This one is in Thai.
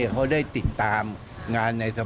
เขาได้ติดตามงานในสภา